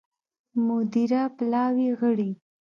مدیره پلاوي غړي